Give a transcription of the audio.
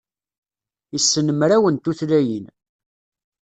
Issen mraw n tutlayin.